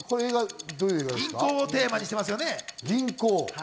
銀行をテーマにしてますよね？